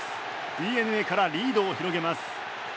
ＤｅＮＡからリードを広げます。